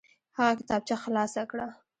هغه کتابچه خلاصه کړه.